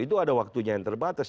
itu ada waktunya yang terbatas